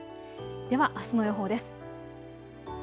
では、あすの予報です。